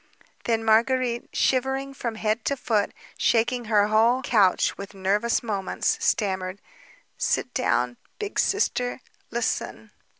Then Marguérite, shivering from head to foot, shaking her whole couch with nervous movements, stammered: "Sit down, Big Sister ... listen."